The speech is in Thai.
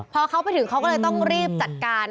พอเขาไปถึงเขาก็เลยต้องรีบจัดการ